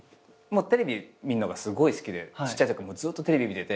テレビ見んのがすごい好きでちっちゃいときもずっとテレビ見てて。